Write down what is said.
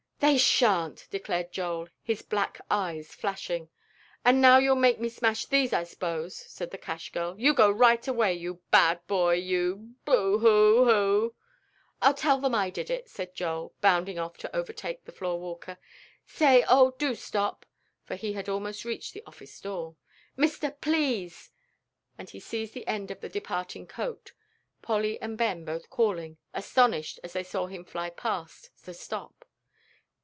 "They shan't!" declared Joel, his black eyes flashing. "An' now you'll make me smash these, I s'pose," said the cash girl. "You go right away, you bad boy, you. Boo hoo hoo!" "I'll tell 'em I did it," said Joel, bounding off to overtake the floor walker. "Say, oh, do stop!" for he had almost reached the office door. "Mister, please," and he seized the end of the departing coat, Polly and Ben both calling, astonished as they saw him fly past, to stop.